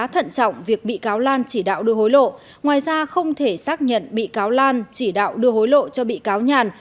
trọng việc bị cáo lan chỉ đạo đưa hối lộ ngoài ra không thể xác nhận bị cáo lan chỉ đạo đưa hối lộ cho bị cáo nhàn